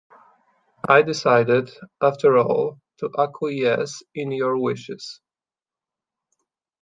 I decided, after all, to acquiesce in your wishes.